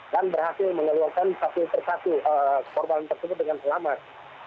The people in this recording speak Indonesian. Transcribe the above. dan berhasil mengeluarkan satu persatu korban tersebut dengan selamat